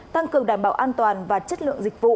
tăng cường đảm bảo an toàn và chất lượng dịch vụ